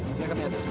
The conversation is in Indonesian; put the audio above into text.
biar kami atas dulu